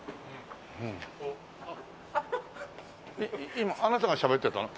今あなたがしゃべってたの？